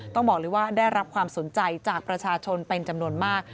ต้องบอกเลยว่าได้รับความสนใจจากประชาชนเป็นจำนวนมาก